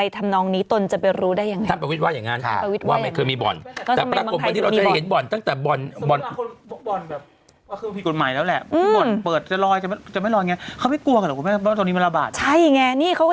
ถ้าพนักภิกาคิดว่าอย่างนั้นว่าเคยมีบ่อนแต่ปรากฎเวลาที่เราจะได้เห็นบ่อน